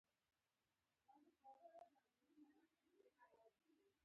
انسان جامې او خوراکي توکي تولیدوي